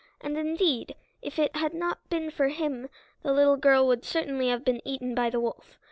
And indeed, if it had not been for him the little girl would certainly have been eaten by the wolf.